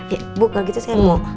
ya bu kalau gitu saya mau